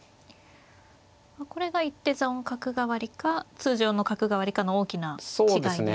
これが一手損角換わりか通常の角換わりかの大きな違いですか。